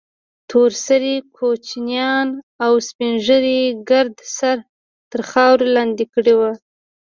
تور سرې کوچنيان او سپين ږيري يې ګرد سره تر خارور لاندې کړي وو.